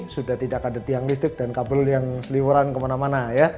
sudah tidak ada tiang listrik dan kabel yang seliwuran kemana mana